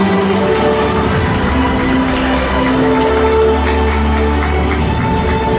แล้วได้แล้วค่ะ